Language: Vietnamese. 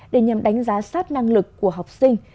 để nhằm đánh giá sát năng lực của học sinh